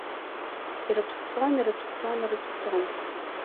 Ирԥссон, ирԥссон, ирԥссон.